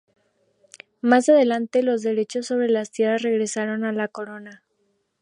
Más adelante los derechos sobre las tierras regresaron a la corona.